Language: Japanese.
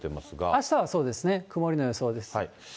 あしたはそうですね、曇りの予想です。